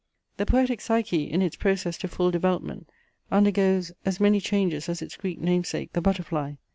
The poetic Psyche, in its process to full development, undergoes as many changes as its Greek namesake, the butterfly .